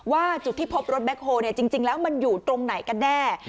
ว่าจุดที่พบรถแคลจริงแล้วมันอยู่ตรงไหนกันแน่